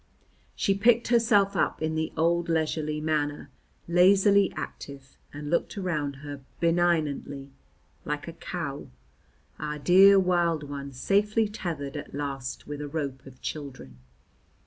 She picked herself up in the old leisurely manner, lazily active, and looked around her benignantly, like a cow: our dear wild one safely tethered at last with a rope of children.